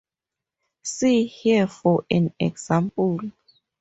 See here for an example